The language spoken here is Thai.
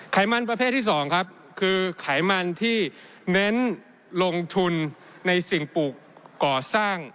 ไรมันประเภทที่๒ครับคือไขมันที่เน้นลงทุนในสิ่งปลูกก่อสร้าง